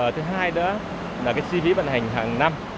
thứ hai nữa là cái chi phí vận hành hàng năm